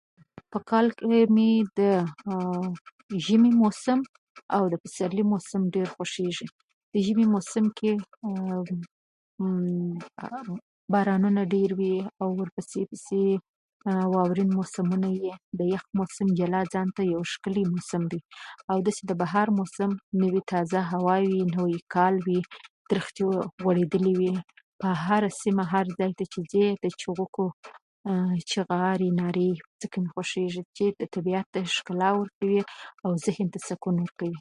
بريا، هڅه، پرمختګ،